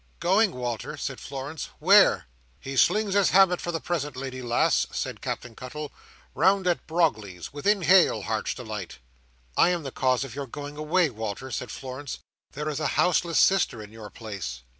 "Going, Walter!" said Florence. "Where?" "He slings his hammock for the present, lady lass," said Captain Cuttle, "round at Brogley's. Within hail, Heart's Delight." "I am the cause of your going away, Walter," said Florence. "There is a houseless sister in your place."